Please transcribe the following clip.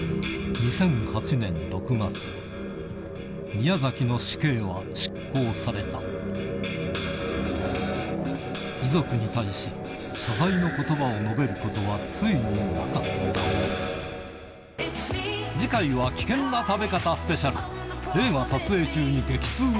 宮崎の死刑は執行された遺族に対し謝罪の言葉を述べることはついになかった映画撮影中に激痛が！